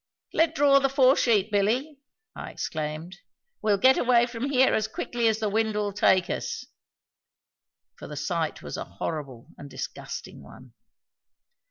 "Let draw the fore sheet, Billy," I exclaimed. "We'll get away from here as quickly as the wind will take us." For the sight was a horrible and disgusting one.